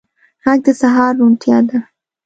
غږ د سهار روڼتیا ده